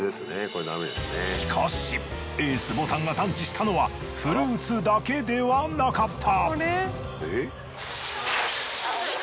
しかしエースボタンが探知したのはフルーツだけではなかった。